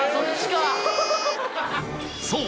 そう！